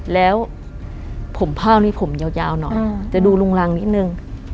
แล้วผมผ้านี้ผมยาวหน่อยจะดูลุงรังนิดนึง